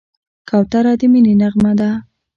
کوتره د مینې نغمه ده.